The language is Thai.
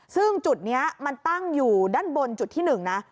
ซึ่งจุดนี้มันตั้งอยู่ด้านบนจุดที่๑นะ